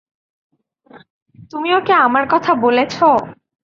তুমি ওকে আমার কথা বলেছ?